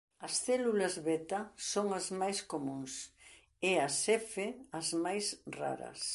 As células beta son as máis comúns e as F as máis raras.